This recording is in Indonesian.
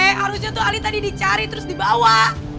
harusnya tuh ali tadi dicari terus dibawa